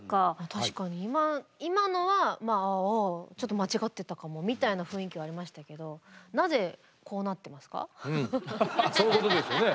確かに今のは「ああちょっと間違ってたかも」みたいな雰囲気はありましたけどそういうことですよね。